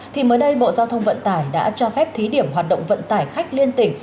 thì mới đây bộ giao thông vận tải đã cho phép thí điểm hoạt động vận tải khách liên tỉnh